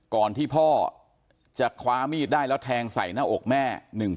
ก่อนที่พ่อจะคว้ามีดได้แล้วแทงใส่หน้าอกแม่